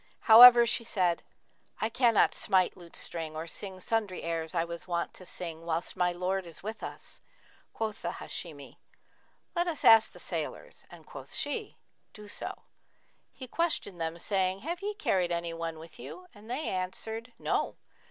However she said, 'I cannot smite lute string or sing sundry airs I was wont to sing whilst my lord is with us.' Quoth the Hashimi, 'Let us ask the sailors;' and quoth she, 'Do so.' He questioned them, saying, 'Have ye carried anyone with you!'; and they answered, 'No.'